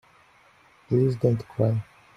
Please don't cry.